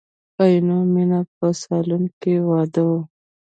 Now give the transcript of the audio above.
په عینومیني په سالون کې واده و.